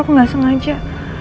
aku gak sengaja